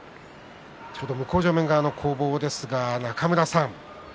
向正面側の攻防ですが、中村さん。